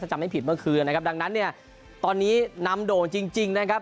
จำไม่ผิดเมื่อคืนนะครับดังนั้นเนี่ยตอนนี้นำโด่งจริงนะครับ